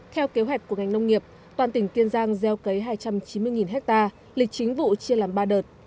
theo kế hoạch của ngành nông nghiệp toàn tỉnh kiên giang gieo cấy hai trăm chín mươi ha lịch chính vụ chia làm ba đợt